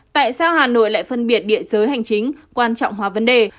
tại sao hà nội lại phân biệt địa giới hành chính quan trọng hóa vấn đề